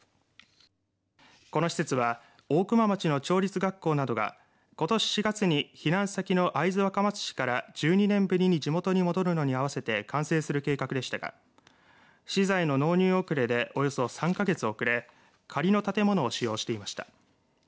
この施設は大熊町の町立学校などがことし４月に避難先の会津若松市から１２年ぶりに地元に戻るのに合わせて完成する計画でしたが資材の納入遅れでおよそ３か月遅れ仮の建物を使用していました。